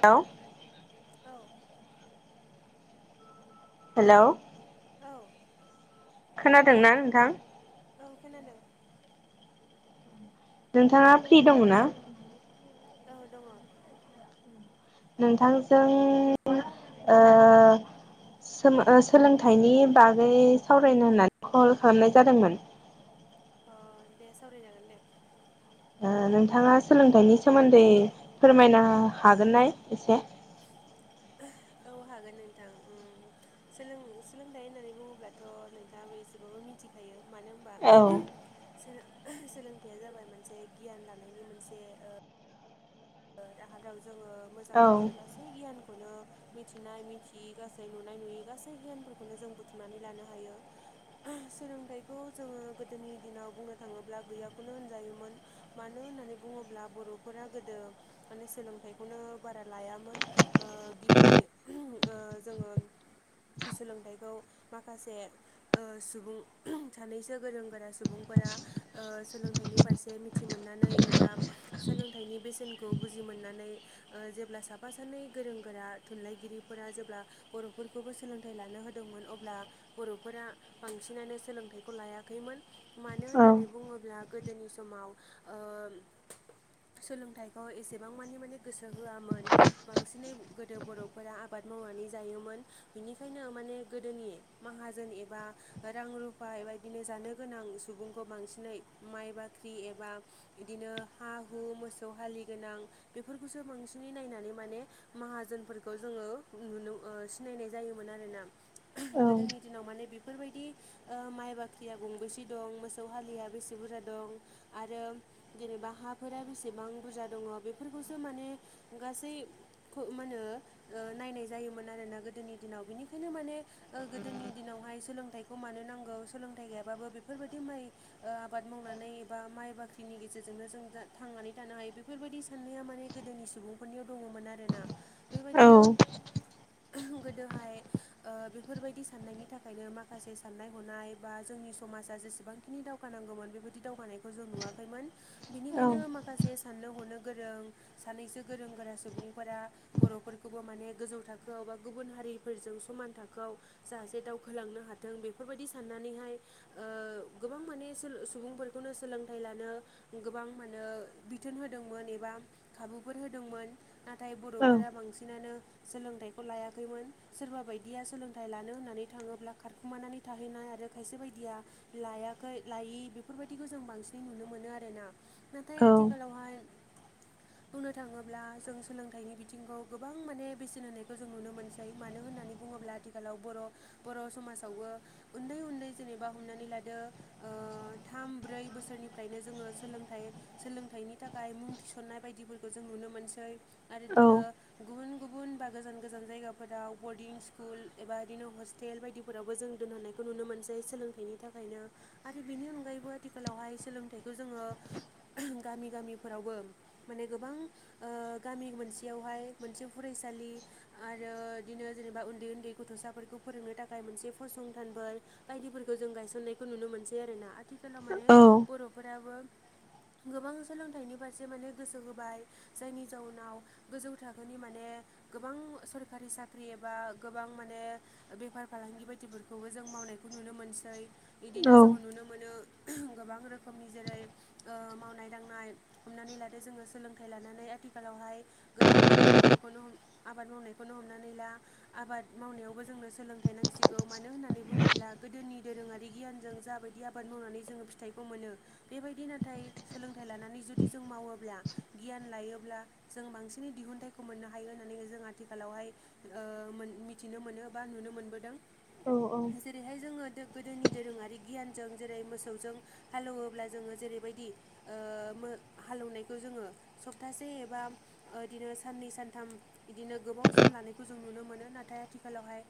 नथां हेलौ औ हेल' औ खोनादोंना नोंथां औ खोनादों नोंथाङा फ्रि दङ ना औ दङ नोंथांजों सोलोंथाइनि बागै सावरायनो होननानै कल खालामनाय जादोंमोन अ दे सावरायजागोन दे नोंथाङा सोलोंथाइनि सोमोन्दै फोरमायनो हागोन ननाय एसे औ हागोन नोंथां सोलोंथाइ होननानै बुङोब्लाथ' नोंथाङाो एसेबाबो मिथिखायो मानो औ सोलोंथाइया जाबाय मोनसे गियान लानायनि मोनसे दाहादाव जोङो मोजां औ गाज्रि गासै गियानखौनो मिथिनाय मिथियै गासै नुनाय नुयि गासै हियानफोरखौनो जों बुथुमनानै लानो हायो सोलोंथाइखौ जोङो गोदोनि दिनाव बुंनो थाङोब्ला गैयाखौनो होनजायोमोन मानो होननानै बुङोब्ला बर'फोरा गोदो माने सोलोंथाइखौनो बारा लायामोन गिबियै जोङो सोलोंथाइखौ माखासे सुबुं सानैसो गोरों गोरा सुबुंफोरा सोलोंथाइनि फारसे मिथि मोननानै एबा सोलोंथाइनि बेसेन खौ बुजि मोननानै जेब्ला साफा सानै गोरों गोरा थुनलाइगिरिफोरा जेब्ला बर'फोरखौबो सोलोंथाइ लानो होदोंमोन अब्ला बर'फोरा बांसिनानो सोलोंथाइखौ लायाखैमोन मानो औ होननानै बुङोब्ला गोदोनि समाव सोलोंथाइ एसेबां मानि माने गोसो होआमोन बांसिनै गोदो बर'फोरा आबाद मावनानै जायोमोन बिनिखायनो माने गोदोनि माहाजोन एबा रां रुफा बे बदिनो जानो गोनां सुबुंखौ बांसिनै माइ बाख्रि एबा बिदिनो हा हु मोसौ हालि गोनां बेफोरखौसो बांसिनै नायनानै माने माहाजोनफोरखौ जोङो नुनो सिनायनाय जायोमोन आरोना औ गोदोनि दिनाव माने बे बेफोरबायदि माइ बाख्रिया गंबेसे दं मोसौ हालिया बेसे बुरजा दं आरो जेनेबा हाफोरा बेसेबां फुजा दङ बेफोरखौसो माने गासै मा होनो नायनाय जायोमोन आरोना गोदोनि दिनाव बिनिखायनो माने ओ गोदोनि दिनावहाय सोलोंथाइखौ मानो नांगौ सोलोंथाइ गैयाबाबो बेफोरबायदि माइ ओ आबाद मावनानै एबा माइ बाख्रिनि गेजेरजोंनो जों थांनानै थानो हायो। बेफोरबायदि साननाया माने गोदोनि सुबुंफोरनियाव दङमोन आरोना औ बेबायाददिनो गोदोहाय बेफोरबायदि साननायनि थाखायनो माखासे साननाय हनाय बा जोंनि समाजा जेसेबांखिनि दावगानांगौमोन बेबायदि दावगानायखौ जों नुवाखैमोन औ बिनिखायनो माखासे साननो हनो गोरों सानैसो गोरों गोरा सुबुंफोरा बर'फोरखौबो माने गोजौ थाखोआव बा गुबुन हारिफोरजों समान थाखोआव जाह जे दावखोलांनो हाथों बेफोरबायदि साननानैहाय गोबां माने सुबुंफोरखौनो सोलोंथाइ लानो गोबां माने बिथोन होदोंमोन एबा खाबुफोर होदोंमोन नाथाय औ बर'फोरा बांसिनानो सोलोंथाइखौ लायाखैमोन सोरबा बायदिया सोलोंथाइ लानो होननानै थाङोब्ला खारखुमानानै थाहैनाय आरो खायसे बायदिया लायाखै लायै बेफोरबायदिखौ जों बांसिनै नुनो मोनो आरोना नाथाय औ आथिखालावहाय बुंनो थाङोब्ला जों सोलोंथाइनि बिथिंखौ गोबां माने बेसेन होनायखौ जों नुनो मोनसै मानो होननानै बुङोब्ला आथिखालाव बर' बर' समाजावबो उन्दै उन्दै जेनेबा हमनानै लादो ओ थाम ब्रै बोसोरनिफ्रायनो जोङो सोलोंथाइ सोलोंथाइनि थाखाय मुं थिसन्नाय बायदिफोरखौ जों नुनो मोनसै आरो औ बिदिनो गुबुन गुबुन बा गोजान गोजान जायगाफोराव बरडिं स्कुल एबा बिदिनो हस्टेल बायदि फोरावबो जों दोनहोननायखौ नुनो मोनसै सोलोंथाइनि थाखायनो आरो बिनि अनगायैबो आथिखालावहाय सोलोंथाइखौ जोङो गामि गामिफोरावबो माने गोबां ओ गामि मोनसेयावहाय मोनसे फरायसालि आरो बिदिनो जेनेबा उन्दै उन्दै गथ'साफोरखौ फोरोंनो थाखाय मोनसे फसंथानफोर बायदिफोरखौ जों गायसननायखौ नुनो मोनसै आरोना आथिखालाव माने औ बर'फोराबो गोबां सोलोंथाइनि फारसे माने गोसो होबाय जायनि जाउनाव गोजौ थाखोनि माने गोबां सरखारि साख्रि एबा गोबां माने बेफार फालांगि बायदिफोरखौबो जों मावनायखौ नुनो मोनसै बिदिनो औ जोङो नुनो मोनो गोबां रोखोमनि जेरै ओ मावनाय दांनाय हमनानै लादो जोङो सोलोंथाइ लानानै आथिखालावहाय गोबां आबाद मावनायखौनो आबाद मावनायखौनो हमनानै ला आबाद मावनायावबो जोंनो सोलोंथाइ नांसिगौ मानो होननानै बुङोब्ला गोदोनि दोरोङारि गियानजों जाबायदि आबाद मावनानै जोङो फिथाइखौ मोनो बेबायदि नाथाय सोलोंथाइ लानानै जुदि जों मावोब्ला गियान लायोब्ला जों बांसिनै दिहुनथाइखौ मोननो हायो होननानै जों आथिखालावहाय ओ मिथिनो मोनो बा नुनो मोनबोदों जेरैहाय जोङो गोदोनि दोरोङारि गियानजों जेरै मोसौजों हालौवोब्ला जोङो जेरैबायदि ओ मो हालेवनायखौ जोङो सप्तासे एबा बिदिनो साननै सानथाम बिदिनो गोबाव सम लानायखौ जों नुनो मोनो नाथाय आथिखालावहाय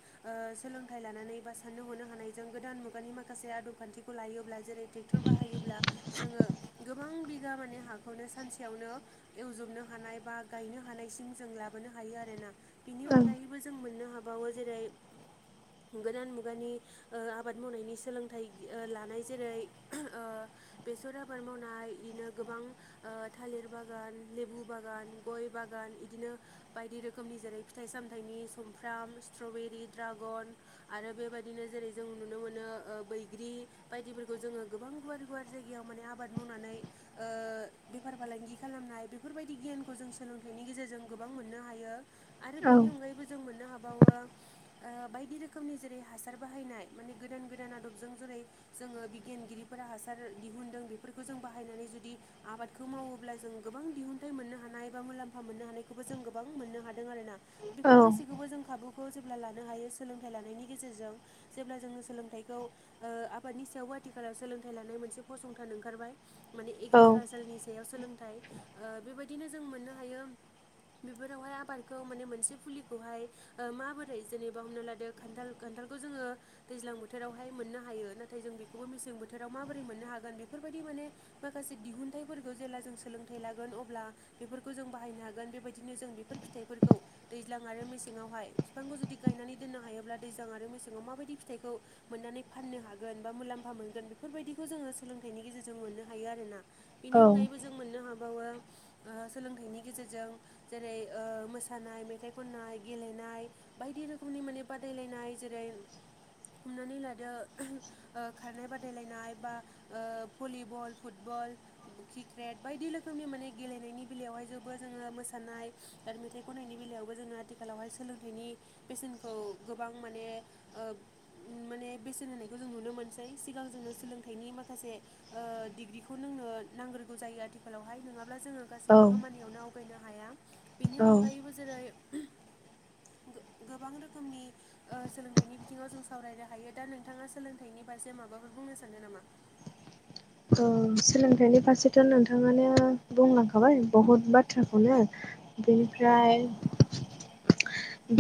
सोलोंथाइ लानानै बा साननो हनो हानायजों गोदान मुगानि माखासे आदब खान्थिखौ लायोब्ला जेरै थिग डक्टर बाहायोब्ला जोङो गोबां बिगा माने हाखौनो सानसेयावनो एवजोबनो हानाय बा गायनो हानायसिम जों लाबोनो हायो आरोोना बेनि अनगायै बो जों मोननो हाबावो जेरै गोदान मुगानि ओ आबाद मावनायनि सोलोंथाइ लानाय जेरै ओ बेसरा हाद मावनाय बिदिनो गोबां ओ थालिर बागान लेबु बागान गय बागान बिदिनो बायदि रोखोमनि जेरै फिथाइ सामथायाइनि सुमफ्राम स्ट्रबेरि दड्रागन आरो बेबायदिनो जेरै जों नुनो मोनो ओ बैग्रि बायदिफोरखौ जोङो गोबां गुवार गुवार जायगायाव माने आबाद मावनानै ओ बेफार फालांगि खालामनाय बेफोरबायदि गियानखौ जों सोलोंथाइनि गेजेरजों गोबां मोननो हायो। आरो बेनि अनगायैबो जों मोननो हाबावो ओ बायदि रोखोमनि जेरै हासार बाहायनाय माने गोदान गोदान आदबजों जेरै जोङो बिगियानगिरिफोरा हासार दिहुनदों बेफोरखौ जों बाहायनानै जुदि आबादखौ मावोब्ला जों गोबां दिहुनथाइ मोननो हानाय ए बा मुलाम्फा मोननो हानायखौबो जों गोबां मोननो हादों आर ना बेफोर गासैखौबो जों खाबुखौ जेब्ला लानो हायो सोलोंथाइ लानायनि गेजेरजों जेब्ला जोङो सोलोंथाइखौ ओ आबादनि सायावबो आथिखालाव सोलोंथाइ लानाय मोनसे फसंथान ओंख खारबाय माने एग्रिकालसारनि सायाव सोलोंथाइ बेबायदिनो जों मोननो हायो बेफोरावहाय आबादखौ माने मोनसे फुलिखौहाय ओ माबोरै जेनेबा हमनो लादो खान्थाल खान्थालखौ जोङो दैज्लां बोथोरावहाय मोननो हायो नाथाय जों बेखौबो मेसें बोथोराव माबोरै मोननो हागोन बेफोरबायदि माने माखासे दिहुनथाइफोरखौ जेब्ला जों सोलोंथाइ लागोन अब्ला बेफोरखौ जों बाहायनो हागोन बेबायदिनो जों बेफोर फिथाइफोरखौ दैज्लां आरो मेसेंआवहाय बिफांखौ जुदि गायनानै दोननो हायोब्ला दैज्लां आरो मेसेङाव माबायदि फिथाइखौ मोननानै फाननो हागोन बा मुलाम्फा मोनगोन बेफोरबायदिखौ जोङो सोलों नाइनि गेजेरजों मोननो हायो आरोना बेनि अनगायैबो जों मोननो हाबावो ओ सोलोंथाइनि गेजेरजों जेरै ओ मोसानाय, मेथाइ खननाय, गेलेनाय बायदि रोखोमनि माने बादायलायनाय जेरै हमनानै लादो ओ खारनाय बादायलायनाय बा ओ भलिबल, फुटबल किक्रेट बायदि रोखोमनि माने गेलेनायनि बेलायावहाय जोबो जोङो मोसानाय आरो मेथाइ खननायनि बेलायावबो जोङो आथिखालावहाय सोलोंथाइनि बेसेनखौ गोबां माने ओ उम माने बेसेन होनायखौ जों नुनो मोनसै सिगां जोङो सोलोंथाइनि माख खासे ओ डिग्रिखौ नोंनो नांग्रोगौ जायो आथिखालावहाय नङाब्ला जोङो औ गासिबो खामानियावनो आवगायनो हाया बेनि औ अनगायैबो जेरै गो-गोबां रोखोमनि ओ सोलोंथाइनि बिथिङाव जों सावरायनो हायो दा नोंथाङा सोलोंथाइनि फारसे माबाफोर बुंनो सानो नामा औ सोलोंथाइनि फारसेथ' नोंथाङानो बुंलांखाबाय बहुद बाथ्राखौनो बेनिफ्राय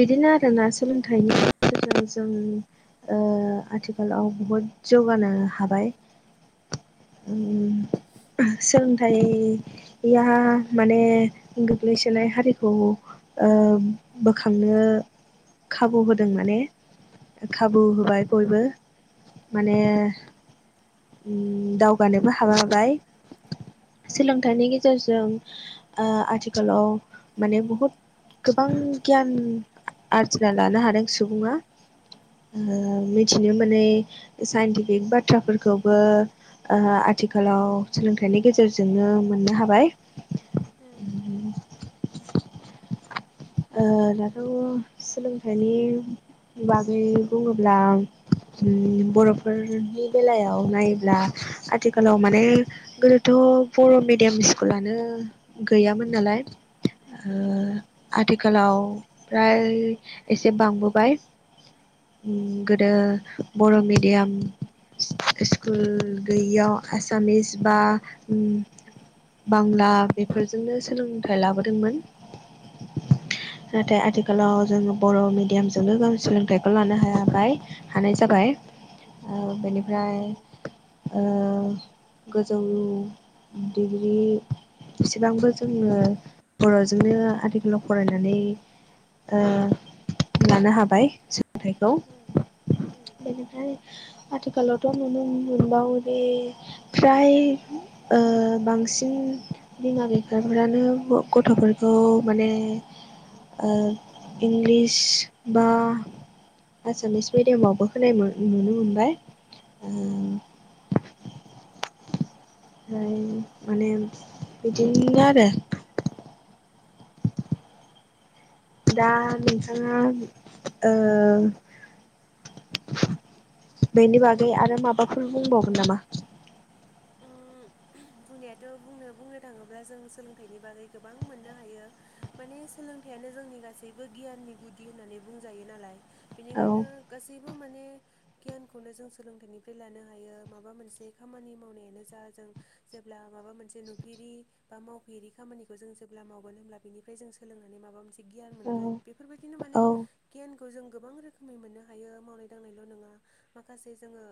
बिदिनो आरोना सोलोंथाइनि गेजेरजों जों ओ आथिखालाव बहुद जौगानो हाबाय उम सोलोंथाइ या माने गोग्लैसोनाय हारिखौ ओ बोखांनो खाबु होदों माने खाबु होबाय बयबो माने उम उम दावगानोबो हाबांबाय औ सोलोंथाइनि गेजेरजों ओ आथिखालाव माने बहुद गोबां गियान आरजिना लानो हादों सुबुङा ओ उम मिथिनो मोनै साइन्टिफिक बाथ्राफोर खौबो ओ आथिखालाव सोलोंथाइनि गेजेरजोंनो मोननो हाबाय उम ओ दाथ' सोलोंथाइनि बागै बुङोब्ला उम बर'फोरनि बेलायाव नायोब्ला आथिखालाव माने गोदोथ' बर' मिडियाम स्कुलानो गैयामोन नालाय ओ उम आथिखालाव फ्राय एसे बांबोबाय उम गोदो बर' मिडियाम सि स्कुल गैयियाव आसामिस बा उम बांला बेफोरजोंनो सोलोंथाइ लाबोदोंमोन ओम नाथाय आथिखालाव जों बर' मिडियामजोंनो गाव सोलोंथाइखौ लानो हाबाय हानाय जाबाय बेनिफ्राय गोजौ दिग्रि एसेबांबो जोङो बर'जोंनो आथि ल' फरायनानै ओ लानो हाबाय सो थाइखौ उम उम बेनिफ्राय। आथिखालावथ' नुनो मोनबावोेदि फ्राय ओ बांसिन बिमा बिफाफ्रानो गथ'फोरखौ माने ओ इंलिस बा आसामिस मिडियामावबो होनाय नुनो मोनबाय ओम ओमफ्राय ओमफ्राय माने बिदिनो आरो दा नोंथाङा बेनि बागै आरो माबाफोर बुंबावगोन नामा ओम बुंनायाथ' बुंनो बुंनो थाङोब्ला जों सोलोंथाइनि बागै गोबां मोननो हायो माने सोलोंथाइआनो जोंनि गासैबो गियाननि गुदि होननानै बुंजायो नालाय। औ बिनिखायनो गासैबो माने गियानखौनो जों सोलोंथाइनिफ्राय लानो हायो माबा मोनसे खामानि मावनाय बे जा जों जेब्ला माबा मोनसे नुफेरि बा मावफेरि खामानिखौ जों जेब्ला मावगोन हब्ला बिनिफ्राय जों सोलोंनानै माबा मोनसे गियान मोनगोन औ बेफोरबायदिनो माने औ गियानखौ जों गोबां रोखोमै मोननो हायो मावनाय दांनायल' नङा माखासे जोङो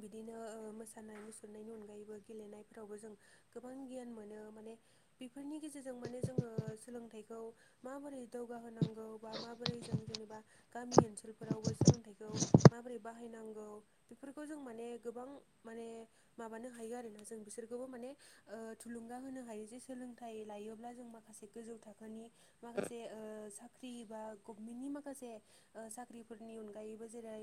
बिदिनो ओ मो मोसानाय मुसुरनायनि अनगायैबो गेलेनायफोरावबो जों गोबां गियान मोनो माने बेफोरनि गेजेरजों माने जोङो सोलोंथाइखौ माबोरै जौगाहोनांगौ बा माबोरै जों जेनेबा गामि ओनसोलफोरावबो सोलोंथाइखौ माबोरै बाहायनांगौ बेफोरखौ जों माने गोबां माने माबानो हायो आरोना जों बिसोरखौबो माने ओ थुलुंगा होनो हायो जे सोलोंथाइ लायोब्ला जों माखासे गोजौ थाखोनि माखासे साख्रि बा गभमेन्टनि माखासे साख्रिफोरनि अनगायैबो जेरै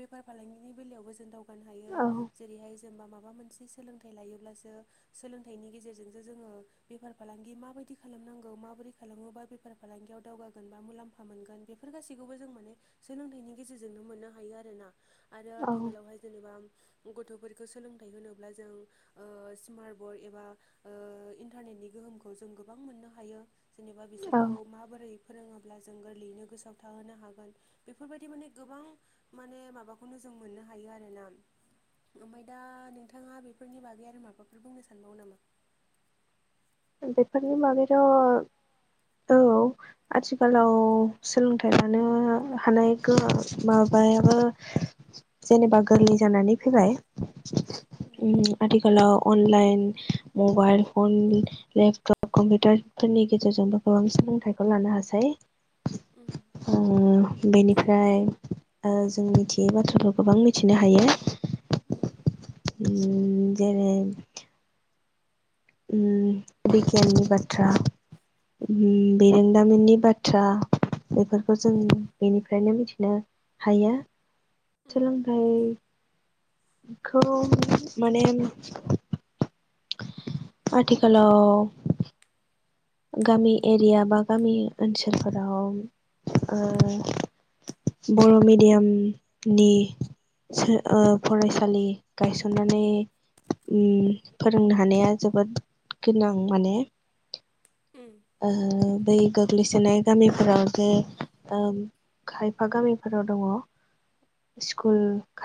बेफार फालांगिनि बेलायावबो जों दावगानो हायो औ जेरैहाय जेनेबा माबा मोनसे सोलोंथाय लायोब्लासो‌ सोलोंथाइनि गेजेरजोंसो जोङो बेफार फालांगि माबायदि खालामनांगौ माबोरै खालामोब्ला बेफार फालांगियाव दावगागोन बा मुलाम्फा मोनगोन बेफोर गासैखौबो जों माने सोलोंथाइनि गेजेरजोंनो मोननो हायो आरो ना आरो औ आथिखालावहाय जेनेबा‌ गथ'फोरखौ सोलोंथाइ होनोब्ला जों स्मार्ट बर्ड एबा इन्टारनेटनि गोहोमखौ जों गोबां मोननो हायो जेनेबा औ बिसोरखौ माबोरै फोरोङोब्ला जों गोरलैयैनो गोसोआव थाहोनो हागोन बेफोरबायदि माने गोबां माने माबाखौनो जों मोननो हायो आरो ना ओमफ्राय दा नोंथाङा बेफोरनि बागै आरो माबाफोर बुंनो सानबावो नामा बेफोरनि बागैथ' औ आथिखालाव सोलोंथाइ लानो हानाय गोहो माबायाबो जेनेबा गोरलै जानानै फैबाय। आथिखालाव अनलाइन मबाइल फन लेपटप कम्पिउटारफोरनि गेजेरजोंबो गोबां सोलोंथाइखौ लानो हासै अ बेनिफ्राय जों मिथियै बाथ्राखौ गोबां मिथिनो हायो उम उम जेरै उम बिगियाननि बाथ्रा बिरोंदामिननि बाथ्रा बेफोर खौ जों बेनिफ्रायनो मिथिनो हायो सोलोंथाइ खौ माने आथिखालाव गामि एरिया बा गामि ओनसोलफोराव ओ बर' मिडियामनि सोर ओ फरायसालि गायसननानै उम फोरोंनो हानाया जोबोद गोनां माने उम ओ बै गोग्लैसोनाय गामिफोराव बे खायफा गामिफोराव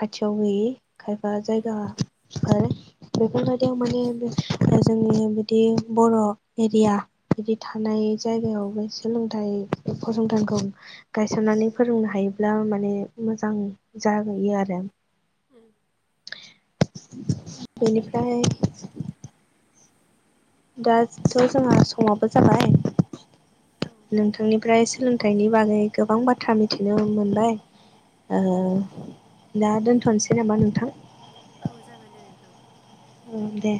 खायफा जायगा आरो बेफोरबायदियाव माने जोंनि बिदि बर' एरिया बिदि थानाय जायगायाव बे सोलोंथाइ फसंथानखौ गायसननानै फोरोंनो हायोब्ला उम बेनिफ्राय दाथ' जोंहा समाबो जाबाय नों थांनिफ्राय सोलोंथाइनि बागै गोबां बाथ्रा मिथिनो मोनबाय ओ औ जागोन दे नोंथां उम दे